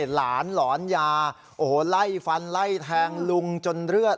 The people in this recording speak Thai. หลานหลอนยาไล่ฟันไล่แทงรุงจนเลือด